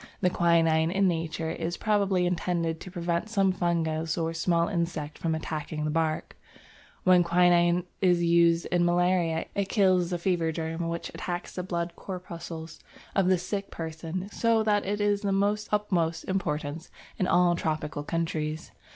The quinine in nature is probably intended to prevent some fungus or small insect from attacking the bark: when quinine is used in malaria, it kills the fever germ which attacks the blood corpuscles of the sick person, so that it is of the utmost importance in all tropical countries.